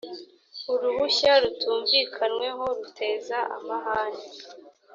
uruhushya rutumvikanyweho ruteza amahane.